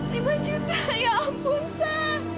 lima juta ya ampun saya